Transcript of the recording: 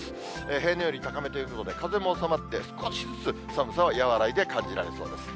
平年より高めということで、風も収まって、少しずつ寒さは和らいで感じられそうです。